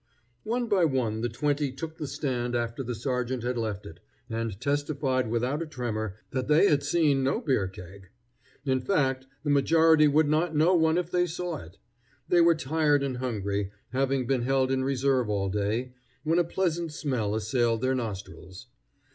One by one the twenty took the stand after the sergeant had left it, and testified without a tremor that they had seen no beer keg. In fact, the majority would not know one if they saw it. They were tired and hungry, having been held in reserve all day, when a pleasant smell assailed their nostrils.